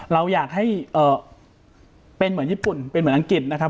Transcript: เราอยากให้เป็นเหมือนญี่ปุ่นเป็นเหมือนอังกฤษนะครับ